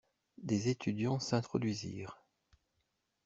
Des étudiants s'introduisirent.